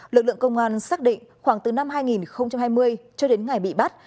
lực lượng công an xác định khoảng từ năm hai nghìn hai mươi cho đến ngày bị bắt